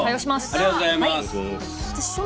ありがとうございます。